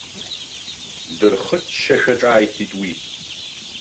Дырхыччашәа ҿааиҭит уи.